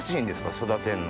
育てんの。